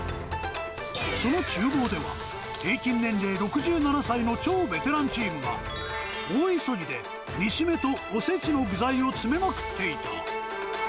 そのちゅう房では、平均年齢６７歳の超ベテランチームが、大急ぎで、煮しめと、おせちの具材を詰めまくっていた。